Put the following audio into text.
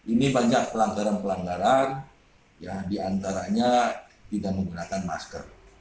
ini banyak pelanggaran pelanggaran yang diantaranya tidak menggunakan masker